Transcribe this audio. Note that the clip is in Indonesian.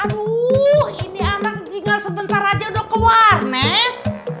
aduh ini anak tinggal sebentar aja udah keluar nih